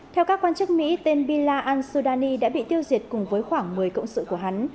theo các quan chức mỹ tên bila an sudani đã bị tiêu diệt cùng với khoảng một mươi cộng sự của hắn